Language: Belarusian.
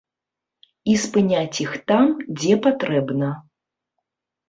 І спыняць іх там, дзе патрэбна.